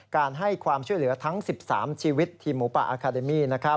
การให้ความช่วยเหลือทั้ง๑๓ชีวิตทีมหมูป่าอาคาเดมี่